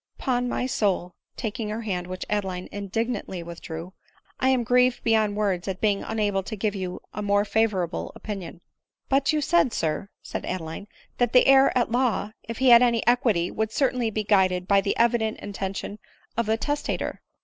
'Pon my soul," taking her hand, which Adeline indignantly withdrew, " I am Sprieved beyond words at being unable to give you a more avorable opinion." " But you said, sir," said Adeline, " that the heir at law, if he had any equity, would certainly be guided by the evident intention of the testator."